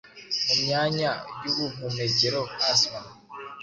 mu myanya y’ubuhumekero asma